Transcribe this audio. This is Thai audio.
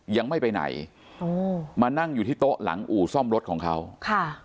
ยังไม่ไปไหนโอ้มานั่งอยู่ที่โต๊ะหลังอู่ซ่อมรถของเขาค่ะ